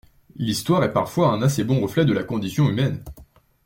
L’histoire est parfois un assez bon reflet de la condition humaine.